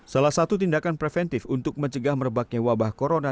salah satu tindakan preventif untuk mencegah merebaknya wabah corona